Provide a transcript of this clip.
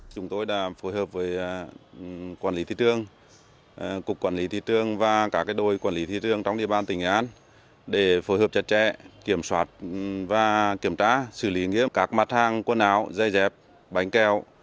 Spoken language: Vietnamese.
cục quản lý thị trường và cả đôi quản lý thị trường trong địa bàn tỉnh nghệ an để phối hợp chặt chẽ kiểm soát và kiểm tra xử lý nghiêm các mặt hàng quần áo dây dẹp bánh kẹo